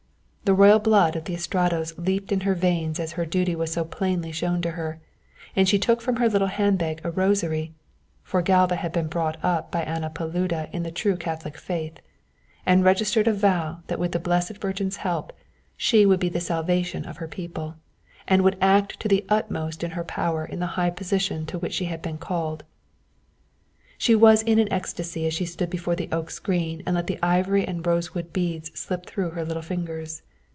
The royal blood of the Estratos leaped in her veins as her duty was so plainly shown to her, and she took from her little handbag a rosary for Galva had been brought up by Anna Paluda in the true Catholic faith and registered a vow that with the Blessed Virgin's help she would be the salvation of her people, and would act to the utmost in her power in the high position to which she had been called. She was in an ecstasy as she stood before the oak screen and let the ivory and rosewood beads slip through her little fingers.